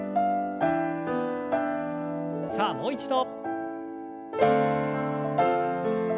さあもう一度。